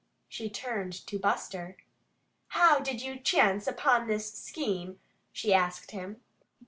She turned to Buster. "How did you chance upon this scheme?" she asked him.